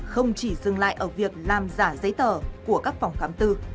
không chỉ dừng lại ở việc làm giả giấy tờ của các phòng khám tư